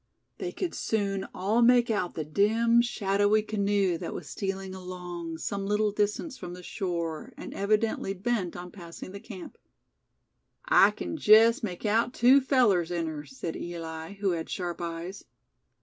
They could soon all make out the dim, shadowy canoe that was stealing along, some little distance from the shore, and evidently bent on passing the camp. "I kin jest make out two fellers in her," said Eli, who had sharp eyes.